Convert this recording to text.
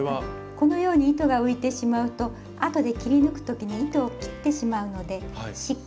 このように糸が浮いてしまうと後で切り抜く時に糸を切ってしまうのでしっかり糸を引いておきましょう。